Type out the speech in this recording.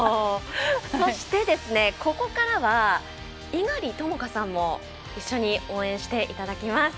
そして、ここからは猪狩ともかさんも一緒に応援していただきます。